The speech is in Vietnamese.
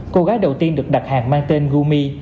cô gái đầu tiên được đặt hàng mang tên rumi